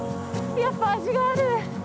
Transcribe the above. やっぱ味がある。